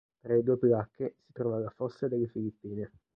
Tra le due placche si trova la Fossa delle Filippine.